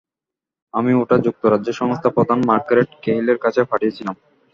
আমি ওটা যুক্তরাজ্যের সংস্থা-প্রধান মার্গারেট কেহিলের কাছে পাঠিয়েছিলাম।